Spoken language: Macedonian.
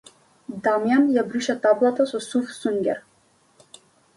Дамјан ја брише таблата со сув сунѓер.